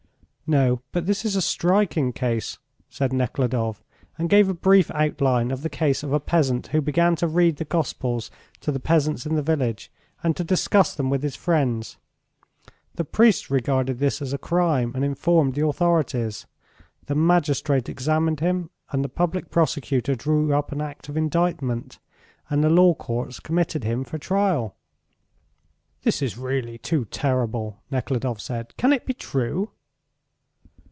"No, but this is a striking case," said Nekhludoff, and gave a brief outline of the case of a peasant who began to read the Gospels to the peasants in the village, and to discuss them with his friends. The priests regarded this as a crime and informed the authorities. The magistrate examined him and the public prosecutor drew up an act of indictment, and the law courts committed him for trial. "This is really too terrible," Nekhludoff said. "Can it be true?"